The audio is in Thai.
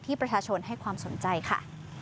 ประชาชนให้ความสนใจค่ะ